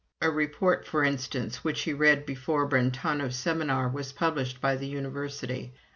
A report, for instance, which he read before Brentano's seminar was published by the University.